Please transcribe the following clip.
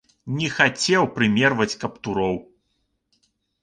Не хацеў прымерваць каптуроў.